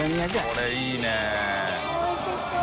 これいいね。